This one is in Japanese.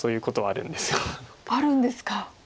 あるんですか。